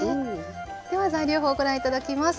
では材料表ご覧頂きます。